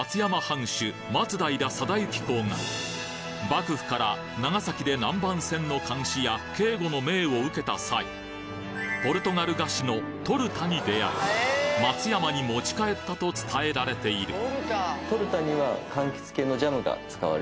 幕府から長崎で南蛮船の監視や警護の命を受けた際ポルトガル菓子のトルタに出会い松山に持ち帰ったと伝えられている